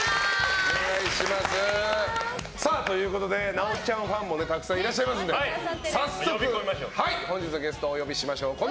なおちゃんファンもたくさんいらっしゃいますので早速、本日のゲストお呼びしましょう。